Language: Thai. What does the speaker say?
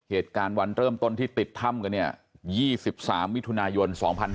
เหตุการณ์วันเริ่มต้นที่ติดถ้ำกันเนี่ย๒๓มิถุนายน๒๕๕๙